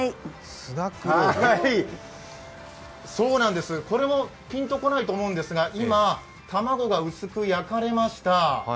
そうなんです、これもピンと来ないと思うんですが、今、卵が薄く焼かれました。